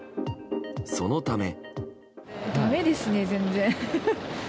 そのため。